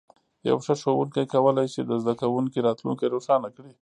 یو ښه ښوونکی کولی شي د زده کوونکي راتلونکی روښانه کړي.